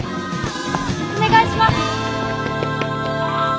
お願いします！